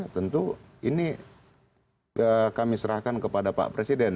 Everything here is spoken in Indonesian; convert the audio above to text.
tentu ini kami serahkan kepada pak presiden